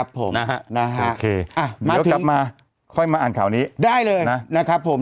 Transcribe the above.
ผมนะฮะโอเคเดี๋ยวกลับมาค่อยมาอ่านข่าวนี้ได้เลยนะครับผม